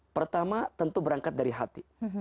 pertama tentu berangkat dari hati